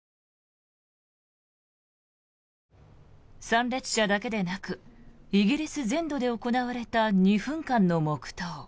参列者だけでなくイギリス全土で行われた２分間の黙祷。